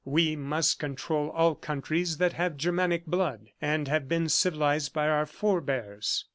We must control all countries that have Germanic blood and have been civilized by our forbears."